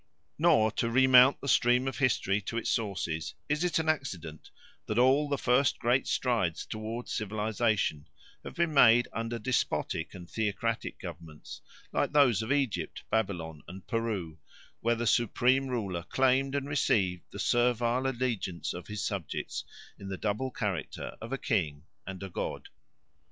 Nor, to remount the stream of history to its sources, is it an accident that all the first great strides towards civilisation have been made under despotic and theocratic governments, like those of Egypt, Babylon, and Peru, where the supreme ruler claimed and received the servile allegiance of his subjects in the double character of a king and a god.